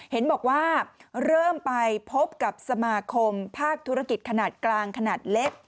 เห็นบอกว่าเริ่มไปพบกับสมาคมภาคธุรกิจขนาดกลางขนาดเล็ก